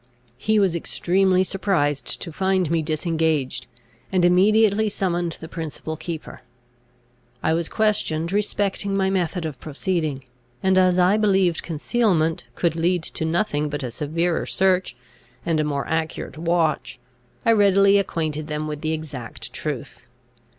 He was extremely surprised to find me disengaged, and immediately summoned the principal keeper. I was questioned respecting my method of proceeding; and, as I believed concealment could lead to nothing but a severer search, and a more accurate watch, I readily acquainted them with the exact truth.